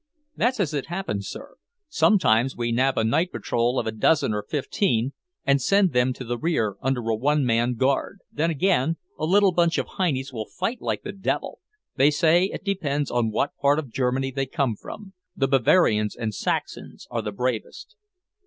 "That's as it happens, sir. Sometimes we nab a night patrol of a dozen or fifteen and send them to the rear under a one man guard. Then, again, a little bunch of Heinies will fight like the devil. They say it depends on what part of Germany they come from; the Bavarians and Saxons are the bravest."